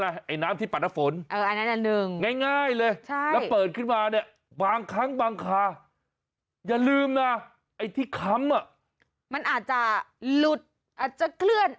ค่ะเติมน้ำอะไรน้ำที่ปัดนฝน